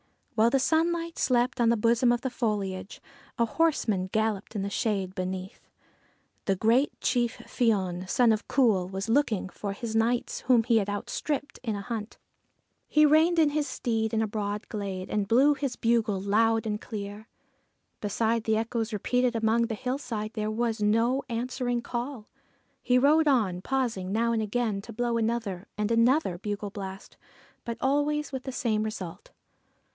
While the sunlight slept on the bosom of the foliage, a horseman galloped in the shade beneath. The great chief Fion, son of Cumhail, was looking for his knights, whom he had outstripped in the hunt. He reined in his steed in a broad glade, and blew his bugle loud and clear. Beside the echoes repeated among the hillsides, there was no answering call. He rode on, pausing now and again to blow another and another bugle blast, but always with the same result.